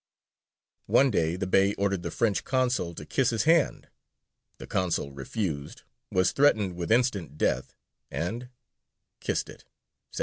One day the Bey ordered the French consul to kiss his hand; the consul refused, was threatened with instant death, and kissed it (1740).